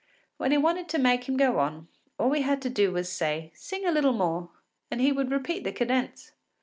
When we wanted to make him go on, all we had to do was to say, “Sing a little more,” and he would repeat the cadence.